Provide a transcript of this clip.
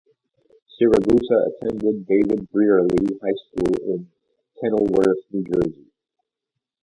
Siragusa attended David Brearley High School in Kenilworth, New Jersey.